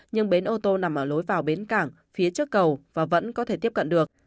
nhưng bến ô tô nằm ở lối vào bến cảng phía trước cầu và vẫn có thể tiếp cận được